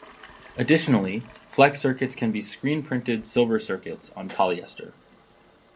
Additionally, flex circuits can be screen printed silver circuits on polyester.